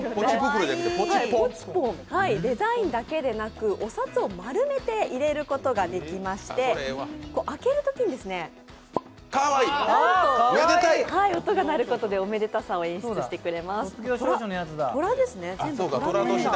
デザインだけでなく、お札を丸めて入れることができまして開けるときに、ポンッと音が鳴ることでおめでたさを演出してくれます。